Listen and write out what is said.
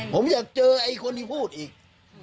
ผมอยากเจอไอ้คนที่พูดอีก